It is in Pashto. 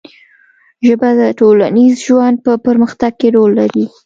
ژبه د ټولنیز ژوند په پرمختګ کې رول لري